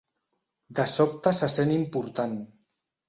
De sobte se sent important.